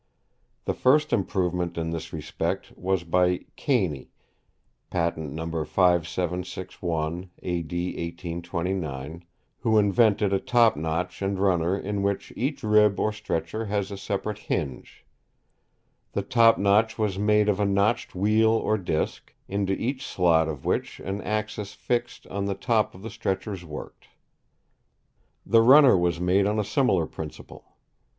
The first improvement in this respect was by Caney (patent No. 5761, A.D. 1829), who invented a top notch and runner in which each rib or stretcher has a separate hinge. The top notch was made of a notched wheel or disc, into each slot of which an axis fixed on the top of the stretchers worked. The runner was made on a similar principle.